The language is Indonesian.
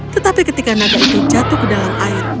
tetapi ketika nada itu jatuh ke dalam air